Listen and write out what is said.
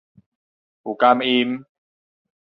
有感音